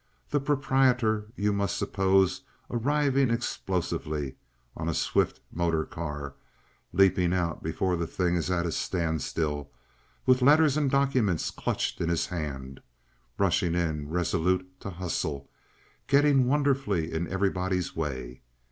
The proprietor you must suppose arriving explosively on a swift motor car, leaping out before the thing is at a standstill, with letters and documents clutched in his hand, rushing in, resolute to "hustle," getting wonderfully in everybody's way.